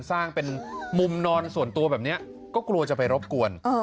สร้างเป็นมุมนอนส่วนตัวแบบนี้ก็กลัวจะไปรบกวน